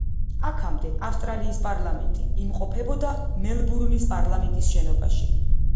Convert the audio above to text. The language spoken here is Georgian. აქამდე, ავსტრალიის პარლამენტი იმყოფებოდა მელბურნის პარლამენტის შენობაში.